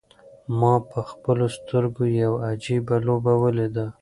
ما په خپلو سترګو یوه عجیبه لوبه ولیده.